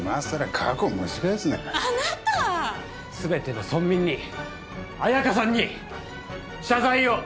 全ての村民に綾香さんに謝罪を！